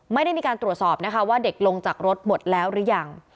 ไม่ได้มีการตรวจสอบนะคะว่าเด็กลงจากรถหมดแล้วหรือยัง